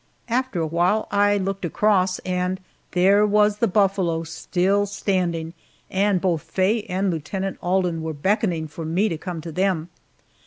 After a while I looked across, and there was the buffalo still standing, and both Faye and Lieutenant Alden were beckoning for me to come to them.